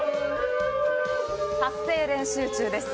発声練習中です。